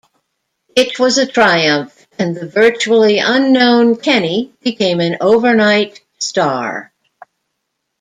It was a triumph and the virtually unknown Kenny became an overnight star.